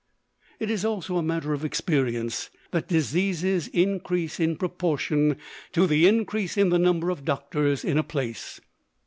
It is also a matter of experience that diseases increase in proportion to the increase in the number of doctors in a place.